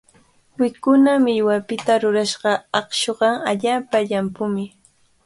Wikuña millwapita rurashqa aqshuqa allaapa llampumi.